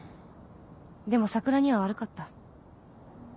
でも桜には悪かった。